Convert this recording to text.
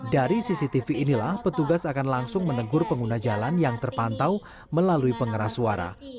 dari cctv inilah petugas akan langsung menegur pengguna jalan yang terpantau melalui pengeras suara